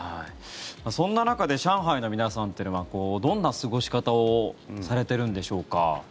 そんな中で上海の皆さんというのはどんな過ごし方をされているんでしょうか。